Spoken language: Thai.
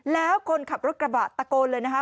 แล้วคนขับรถกระบะตะโกนเลยนะคะ